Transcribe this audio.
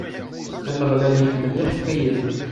Ameɣlal iḥemmel iḥeqqiyen.